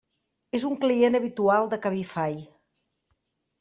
És un client habitual de Cabify.